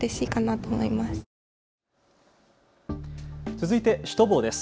続いて、シュトボーです。